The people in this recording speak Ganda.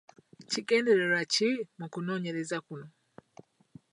Kigendererwa ki mu kunoonyereza kuno?